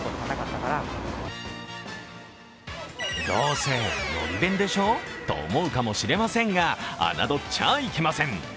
どうせ海苔弁でしょ？と思うかもしれませんがあなどっちゃいけません。